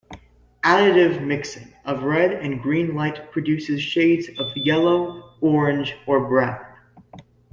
Additive mixing of red and green light produces shades of yellow, orange, or brown.